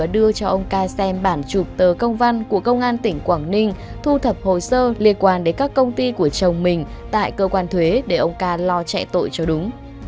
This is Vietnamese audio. đưa cho ông ca xem bản chụp tờ công văn của công an tỉnh quảng ninh thu thập hồ sơ liên quan đến các công ty của chồng mình tại cơ quan thuế để ông ca lo chạy tội cho đúng